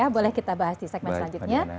boleh kita bahas di segmen selanjutnya